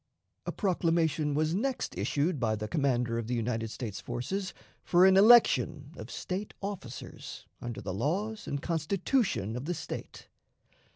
A proclamation was next issued by the commander of the United States forces for an election of State officers under the laws and Constitution of the State.